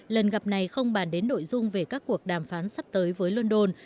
lần gặp này không bàn đến nội dung về các cuộc đàm phán sắp tới với london